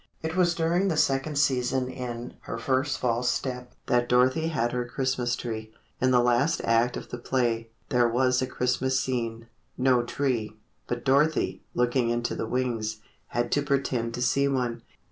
It was during the second season in "Her First False Step" that Dorothy had her Christmas Tree. In the last act of the play, there was a Christmas scene—no tree, but Dorothy, looking into the wings, had to pretend to see one.